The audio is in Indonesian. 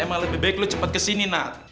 emang lebih baik lo cepat kesini nat